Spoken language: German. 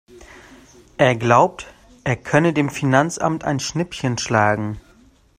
Er glaubt, er könne dem Finanzamt ein Schnippchen schlagen.